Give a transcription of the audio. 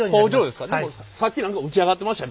でもさっき何か打ち上がってましたよ。